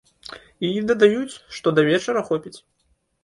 І дадаюць, што да вечара хопіць.